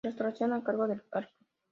La restauración, a cargo del Arq.